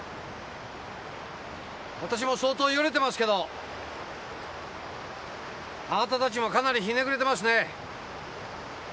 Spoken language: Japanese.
私も相当よれてますけどあなたたちもかなりひねくれてますね。